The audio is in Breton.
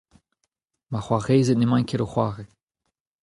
Ma c'hoarezed n'emaint ket o c'hoari.